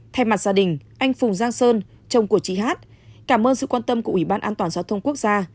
thay mặt gia đình anh phùng giang sơn chồng của chị hát cảm ơn sự quan tâm của ủy ban an toàn giao thông quốc gia